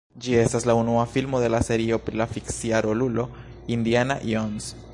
Ĝi estas la unua filmo de la serio pri la fikcia rolulo Indiana Jones.